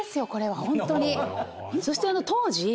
そして当時。